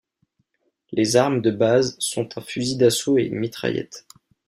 Les armes de bases sont un fusil d'assaut et une mitraillette.